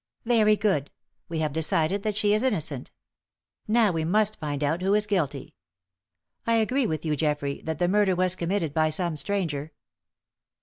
"Very good; we have decided that she is innocent. Now we must find out who is guilty. I agree with you, Geoffrey, that the murder was committed by some stranger.